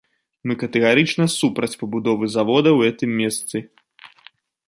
Мы катэгарычна супраць пабудовы завода ў гэтым месцы.